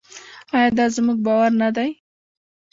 آیا دا زموږ باور نه دی؟